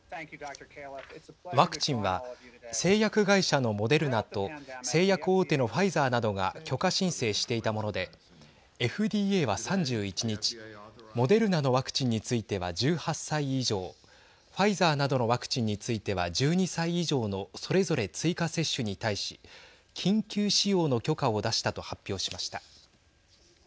ワクチンは製薬会社のモデルナと製薬大手のファイザーなどが許可申請していたものでＦＤＡは３１日モデルナのワクチンについては１８歳以上ファイザーなどのワクチンについては１２歳以上のそれぞれ追加接種に対し緊急使用の許可を出したと発表しました。